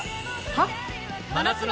「はっ？」